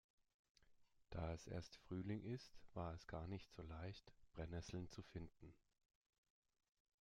Da es erst Frühling ist, war es gar nicht so leicht, Brennesseln zu finden.